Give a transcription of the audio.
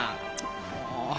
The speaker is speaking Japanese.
もう。